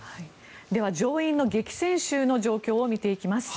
では上院の激戦州の状況を見ていきます。